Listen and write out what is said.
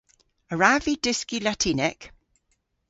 A wrav vy dyski Latinek?